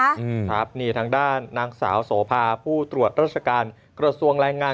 อืมครับนี่ทางด้านนางสาวโสภาผู้ตรวจราชการกระทรวงแรงงาน